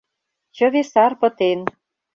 Чыве сар пытен.